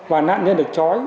và nạn nhân được trói